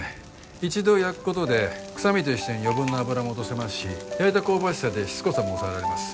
一度焼くことで臭みと一緒に余分な脂も落とせますし焼いた香ばしさでしつこさも抑えられます。